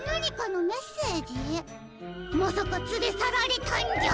まさかつれさられたんじゃ？